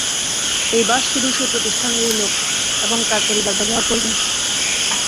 এই বাস শুধু সেই প্রতিষ্ঠানেরই লোক এবং তাঁর পরিবার ব্যবহার করবেন।